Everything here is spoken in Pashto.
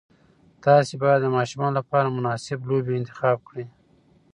تاسي باید د ماشومانو لپاره مناسب لوبې انتخاب کړئ.